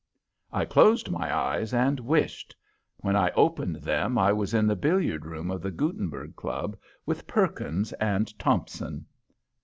I closed my eyes and wished. When I opened them I was in the billiard room of the Gutenberg Club with Perkins and Tompson.